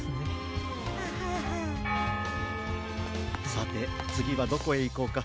さてつぎはどこへいこうか。